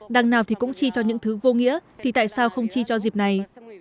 đằng nào thì cũng chi cho những thứ vô nghĩa thì tại sao không chi cho dịp này